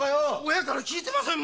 親から聞いてね。